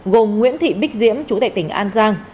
gồm nguyễn thị bích diễm chú tệ tỉnh an giang